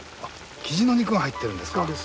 あっキジの肉が入ってるんですか。